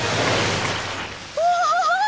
うわ！